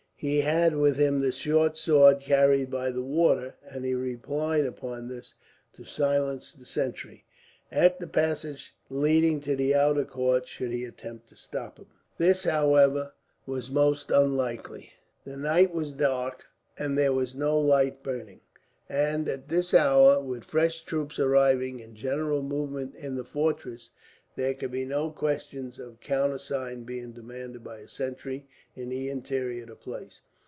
He had with him the short sword carried by the warder, and he relied upon this to silence the sentry, at the passage leading to the outer court, should he attempt to stop him. This, however, was most unlikely. The night was dark, and there was no light burning; and at this hour, with fresh troops arriving and a general movement in the fortress, there could be no question of a countersign being demanded by a sentry in the interior of the place.